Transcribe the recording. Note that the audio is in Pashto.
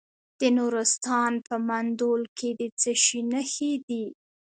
د نورستان په مندول کې د څه شي نښې دي؟